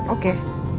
oke bener ya